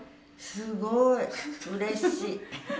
すごーい、うれしい。